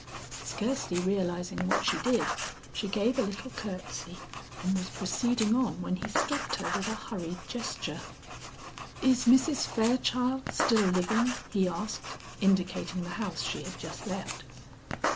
Scarcely realizing what she did she gave a little courtesy and was proceeding on when he stopped her with a hurried gesture. "Is Mrs. Fairchild still living?" he asked, indicating the house she had just left.